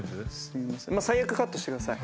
最悪カットしてください。